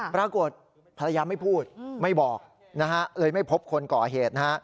ปรากฏภรรยาไม่พูดไม่บอกนะฮะเลยไม่พบคนก่อเหตุนะฮะ